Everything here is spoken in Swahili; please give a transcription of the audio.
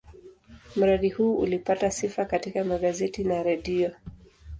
Mradi huu ulipata sifa katika magazeti na redio.